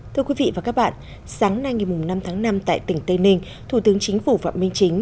thưa quý vị và các bạn sáng nay ngày năm tháng năm tại tỉnh tây ninh thủ tướng chính phủ phạm minh chính